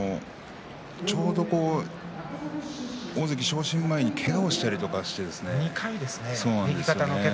ちょうど大関昇進前にけがをしたりとかして２回。